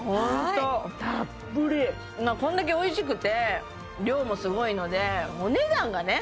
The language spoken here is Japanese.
こんだけおいしくて量もすごいのでお値段がね